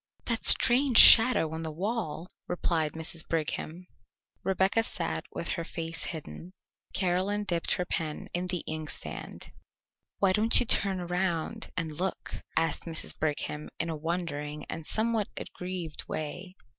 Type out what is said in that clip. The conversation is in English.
"That strange shadow on the wall," replied Mrs. Brigham. Rebecca sat with her face hidden: Caroline dipped her pen in the inkstand. "Why don't you turn around and look?" asked Mrs. Brigham in a wondering and somewhat aggrieved way.